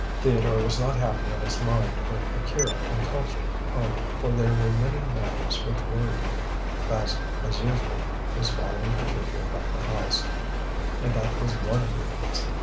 Theodore was not happy in his mind when Akira and Colpster departed, for there were many matters which worried him. Basil, as usual, was following Patricia about the house, and that was one grievance.